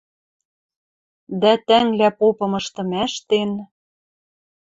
Дӓ, тӓнглӓ попымыштым ӓштен